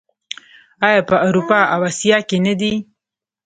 آیا په اروپا او اسیا کې نه دي؟